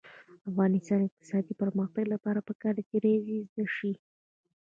د افغانستان د اقتصادي پرمختګ لپاره پکار ده چې ریاضي زده شي.